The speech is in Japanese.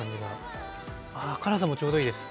あ辛さもちょうどいいです。